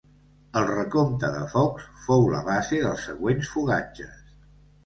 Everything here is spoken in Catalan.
El recompte de focs fou la base dels següents fogatges.